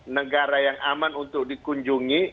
negara yang aman untuk di kunjungi